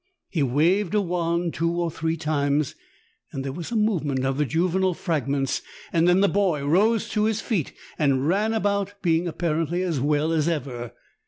He waved a wand two or three times, there was a move ment of the juvenile fragments, and then the boy rose to his feet and ran about, being apparently as well as ever.